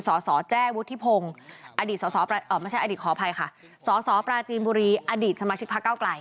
สอสอแจ้วุฒิพงศ์สอสอปราจีนบุรีย์สมาชิกภักดิ์เก้าไกล